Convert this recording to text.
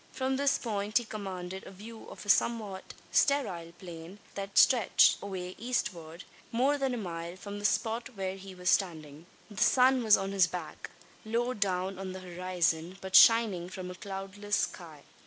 From this point he commanded a view of a somewhat sterile plain; that stretched away eastward, more than a mile, from the spot where he was standing. The sun was on his back, low down on the horizon, but shining from a cloudless sky.